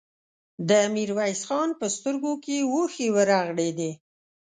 د ميرويس خان په سترګو کې اوښکې ورغړېدې.